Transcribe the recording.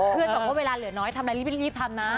เพื่อนก็ว่าเวลาเหลือน้อยทำได้รีบทำนะ